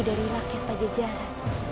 dari rakyat pajajara